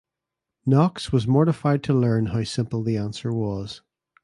Knox was mortified to learn how simple the answer was.